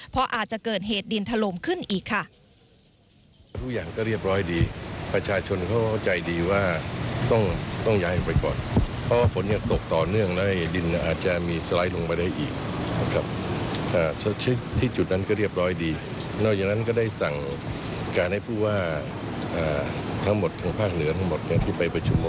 เพราะอาจจะเกิดเหตุดินถล่มขึ้นอีกค่ะ